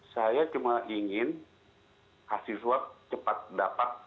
saya cuma ingin hasil swab cepat dapat